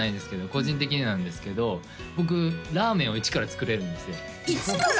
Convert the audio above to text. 個人的になんですけど僕ラーメンを１から作れるんですよ１から！？